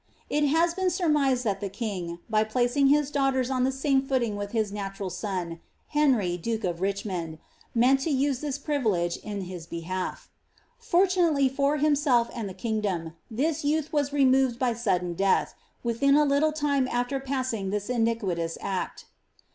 It ha« been surmised that the king, by placing his daughters oa thA 133 MART. same footing with his natural son, Henry, duke of Ridimoodf* meant \m use this privilege in his behalf. Fortunately for himself and the kinf dom, this youth was removed by sudden death, within a little time after passing this iniquitous act.